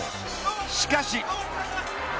しかし。